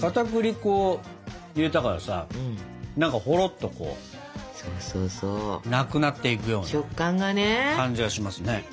かたくり粉を入れたからさ何かほろっとなくなっていくような感じがしますね。